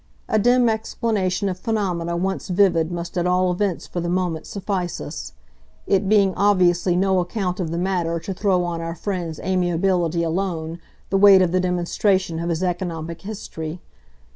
A dim explanation of phenomena once vivid must at all events for the moment suffice us; it being obviously no account of the matter to throw on our friend's amiability alone the weight of the demonstration of his economic history.